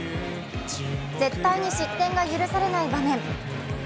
絶対に失点が許されない場面。